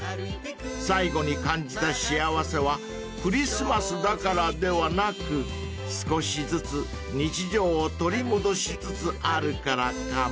［最後に感じた幸せはクリスマスだからではなく少しずつ日常を取り戻しつつあるからかも］